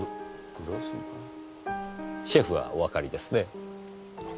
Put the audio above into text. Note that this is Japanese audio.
シェフはおわかりですね？